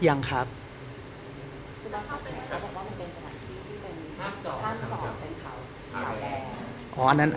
อ๋อยังครับ